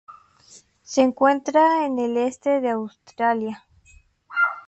Se encuentra en el este de Australia.